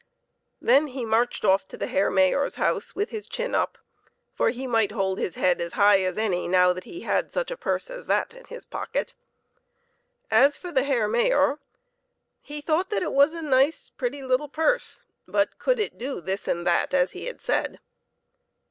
Then he marched off to the Herr Mayor's house with his chin up, for he might hold his head as high as any, now that he had such a purse as that in his pocket. As for the Herr Mayor, he thought that it was a nice, pretty little purse ; but could it do this and that as he had said